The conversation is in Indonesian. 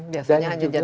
biasanya juga jauh